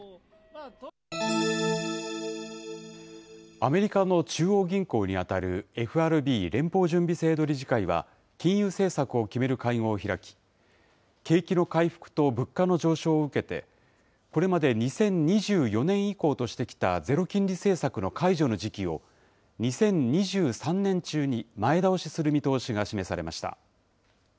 アメリカの中央銀行に当たるＦＲＢ・連邦準備制度理事会は、金融政策を決める会合を開き、景気の回復と物価の上昇を受けて、これまで２０２４年以降としてきたゼロ金利政策の解除の時期を、２０２３年中に前倒しする見通しが示されました。